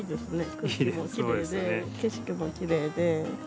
空気もきれいで景色もきれいで。